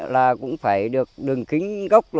là cũng phải được đường kính gốc